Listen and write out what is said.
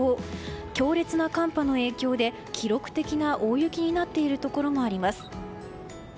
強烈な寒波の影響で記録的な大雪になっているところもあります。